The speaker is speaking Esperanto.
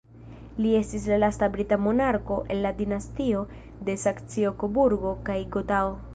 Li estis la lasta brita monarko el la dinastio de Saksio-Koburgo kaj Gotao.